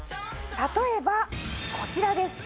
例えばこちらです。